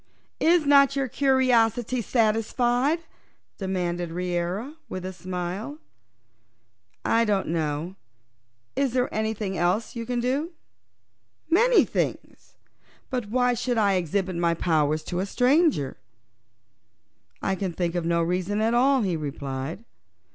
"Is not your curiosity yet satisfied?" demanded Reera, with a smile. "I don't know. Is there anything else you can do?" "Many things. But why should I exhibit my powers to a stranger?" "I can think of no reason at all," he replied.